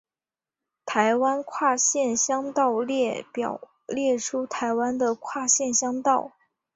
台湾跨县乡道列表列出台湾的跨县乡道。